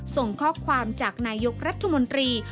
ส่งข้อความจากนายกรัฐมนตรี